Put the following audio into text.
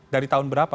dari tahun berapa